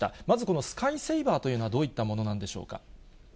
まずこのスカイセイバーというのは、どういったものなんでしょうか。